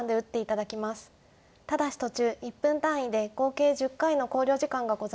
ただし途中１分単位で合計１０回の考慮時間がございます。